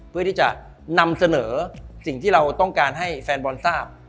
เพื่อที่จะนำเสนอสิ่งที่เราต้องการให้แฟนบอลทราบ